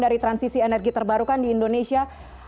dari transisi energi terbarukan di indonesia